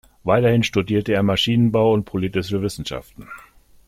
Weiterhin studierte er Maschinenbau und Politische Wissenschaften.